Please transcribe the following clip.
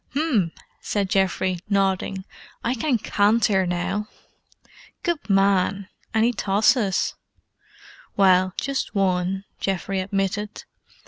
"'M!" said Geoffrey, nodding. "I can canter now!" "Good man! Any tosses?" "Well, just one," Geoffrey admitted.